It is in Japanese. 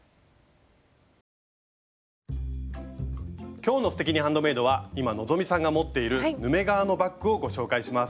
今日の「すてきにハンドメイド」は今希さんが持っているヌメ革のバッグをご紹介します。